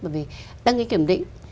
bởi vì đăng ký kiểm định